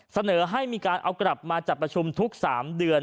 เสนอให้มีการเอากลับมาจัดประชุมทุก๓เดือน